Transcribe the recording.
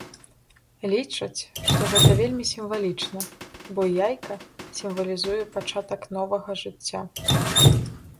Лічаць, што гэта вельмі сімвалічна, бо яйка сімвалізуе пачатак новага жыцця.